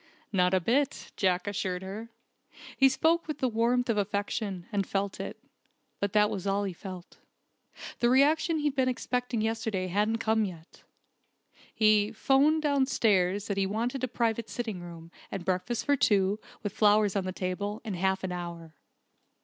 "Not a bit," Jack assured her. He spoke with the warmth of affection, and felt it. But that was all he felt. The reaction he'd been expecting yesterday hadn't come yet! He 'phoned downstairs that he wanted a private sitting room, and breakfast for two, with flowers on the table, in half an hour.